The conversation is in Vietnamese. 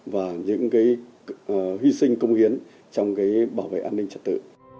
và những hy sinh công hiến trong bảo vệ an ninh trật tự